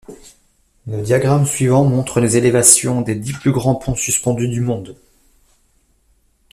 Le diagramme suivant montre les élévations des dix plus grands ponts suspendus du monde.